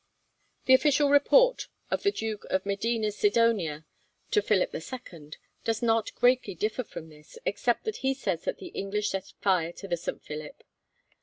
The official report of the Duke of Medina Sidonia to Philip II. does not greatly differ from this, except that he says that the English set fire to the 'St. Philip.'